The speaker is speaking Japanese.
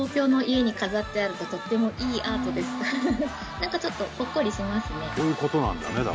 何かちょっとほっこりしますね。